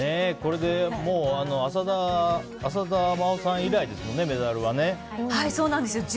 これで浅田真央さん以来ですもんねそうなんです。